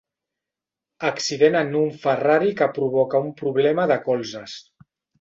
Accident en un Ferrari que provoca un problema de colzes¡.